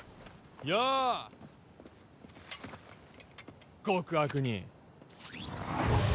よお極悪人。